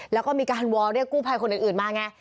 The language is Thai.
แล้วก็มีการวอลเรียกกู้ภัยคนอื่นมาไง